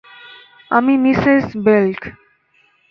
আমি মিসেস বেইলক!